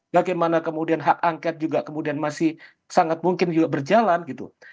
bagaimana kemudian hak angket juga kemudian masih sangat mungkin juga berjalan gitu